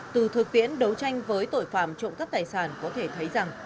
từ thực tiễn đấu tranh với tội phạm trộm cắp tài sản có thể thấy rằng